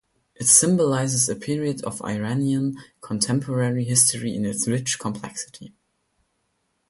It symbolizes a period of Iranian contemporary history in its rich complexity.